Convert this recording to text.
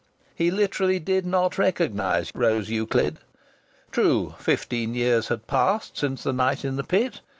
He literally did not recognize Rose Euclid. True, fifteen years had passed since the night in the pit!